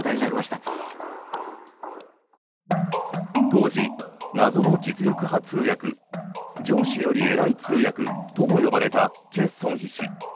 当時、謎の実力派通訳上司より偉い通訳とも呼ばれたチェ・ソンヒ氏。